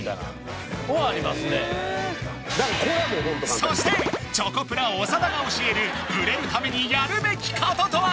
そしてチョコプラ・長田が教える売れるためにやるべきこととは？